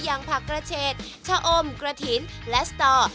อย่างผักกระเชษชะอมกระถิ่นและสตอ